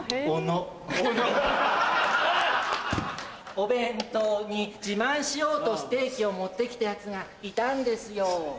お弁当に自慢しようとステーキを持ってきたヤツがいたんですよ。